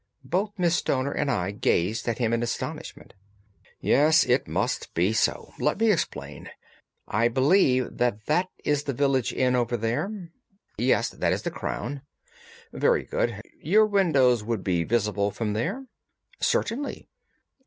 Both Miss Stoner and I gazed at him in astonishment. "Yes, it must be so. Let me explain. I believe that that is the village inn over there?" "Yes, that is the Crown." "Very good. Your windows would be visible from there?" "Certainly."